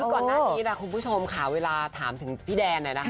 ก่อนหน้างี้คุณผู้ชมขาวเวลาถามถึงพี่แดน